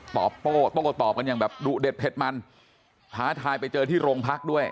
โต้โต้ตอบกันอย่างแบบดุเด็ดเผ็ดมันท้าทายไปเจอที่โรงพักด้วย